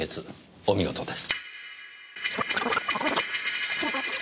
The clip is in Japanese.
お見事です。